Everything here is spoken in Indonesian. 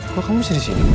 kok kamu sih di sini